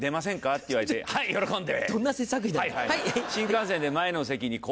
って言われてはい喜んで！